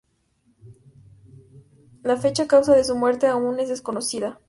La fecha y causa de su muerte aún es desconocida.